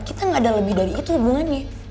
kita gak ada lebih dari itu hubungannya